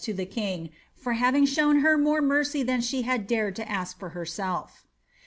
to the king for haring shown her more mercy than she had dared to ask for herself.